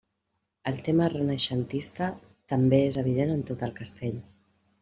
El tema renaixentista també és evident en tot el castell.